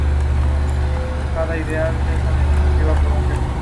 Es similar a Arduino Nano y Leonardo.